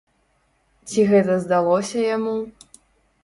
Ці гэта здалося яму?